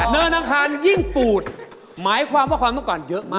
อังคารยิ่งปูดหมายความว่าความต้องการเยอะมาก